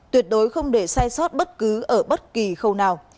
tuyệt đối không để sai sót bất cứ ở bất cứ nơi